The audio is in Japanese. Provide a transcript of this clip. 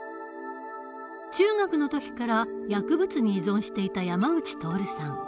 中学の時から薬物に依存していた山口徹さん。